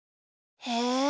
へえ。